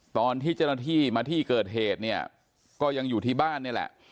ตอนที่เจ้าหน้าที่มาที่เกิดเหตุเนี่ยก็ยังอยู่ที่บ้านนี่แหละ